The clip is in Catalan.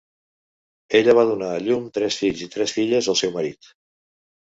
Ella va donar a llum tres fills i tres filles al seu marit.